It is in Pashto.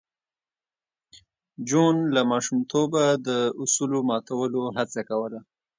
جون له ماشومتوبه د اصولو ماتولو هڅه کوله